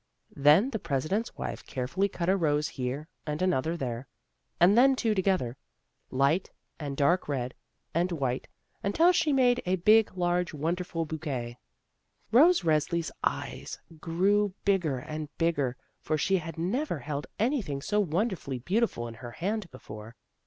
Then the President's wife carefully cut a rose here and another there, and then two together. THE TIME OF ROSES 13 light and dark red and white ones, until she made a big, large, wonderful bouquet. Rose Resli's eyes grew bigger and bigger, for she had never held anything so wonderfully beautiful in her hand before.